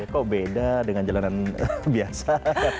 kok beda dengan jalanan biasa